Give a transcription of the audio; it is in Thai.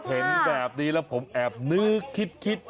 เห็นแบบนี้แล้วผมแอบนึกคิด